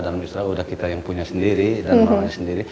dalam istilah udah kita yang punya sendiri dan rumahnya sendiri